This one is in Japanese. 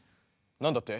何だって！？